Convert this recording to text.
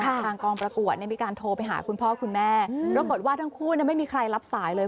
ทางกองประกวดมีการโทรไปหาคุณพ่อคุณแม่ปรากฏว่าทั้งคู่ไม่มีใครรับสายเลย